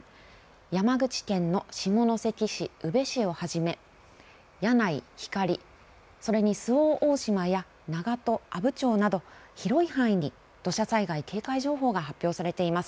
山口県の下関市、宇部市をはじめ柳井、光、それに周防大島や長門、阿武町など広い範囲に土砂災害警戒情報が発表されています。